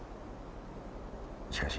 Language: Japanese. しかし。